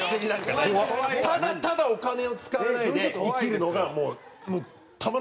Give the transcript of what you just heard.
ただただお金を使わないで生きるのが。